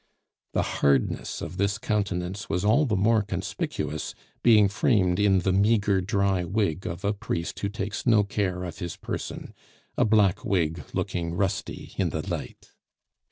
The hardness of this countenance was all the more conspicuous, being framed in the meagre dry wig of a priest who takes no care of his person, a black wig looking rusty in the light.